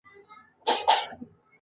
ځوان د مينې په اړه پوښتنه وکړه.